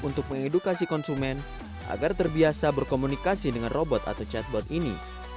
untuk mengedukasi konsumen agar terbiasa berkomunikasi dengan robot atau chatbot ini